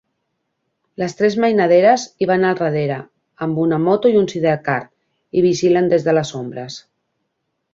Les tres mainaderes hi van al darrere amb una moto i un sidecar i vigilen des de les ombres.